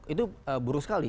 itu buruk sekali